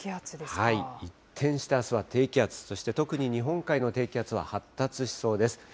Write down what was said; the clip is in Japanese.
一転してあすは低気圧、そして特に日本海の低気圧は発達しそうです。